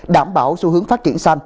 đảm bảo xu hướng phát triển san